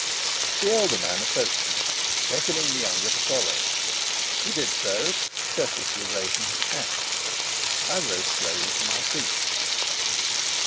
The elder man approached me, beckoning the younger to follow. He did so, courteously raising his hat. I rose slowly to my feet.